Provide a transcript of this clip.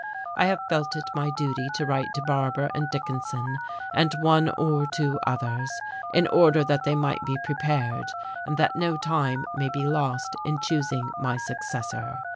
I have felt it my duty to write to Barbour and Dickinson and one or two others in order that they might be prepared and that no time may be lost in choosing my successor.